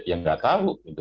ya enggak tahu